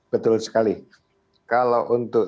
betul sekali kalau untuk